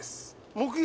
目撃！